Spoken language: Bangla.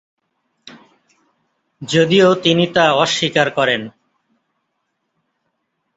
যদিও তিনি তা অস্বীকার করেন।